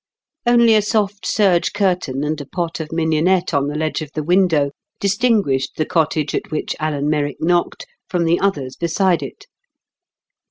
Only a soft serge curtain and a pot of mignonette on the ledge of the window, distinguished the cottage at which Alan Merrick knocked from the others beside it.